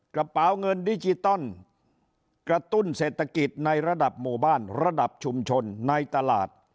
กระเป๋าเงินดิจิตอลกระตุ้นเศรษฐกิจในระดับหมู่บ้านระดับชุมชนในตลาด